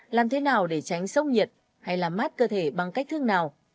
làm thế nào để tránh sốc nhiệt hay làm mát cơ thể bằng cách thương nào